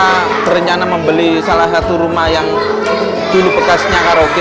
kita berencana membeli salah satu rumah yang dulu bekasnya karaoke